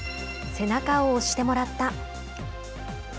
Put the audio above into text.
背中を押してもらった。